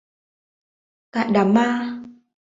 Tại Đám ma